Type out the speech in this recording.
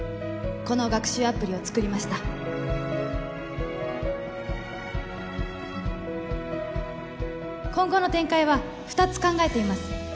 この学習アプリを作りました今後の展開は二つ考えています